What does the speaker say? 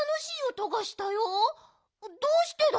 どうしてだろう？